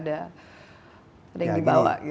ada yang dibawa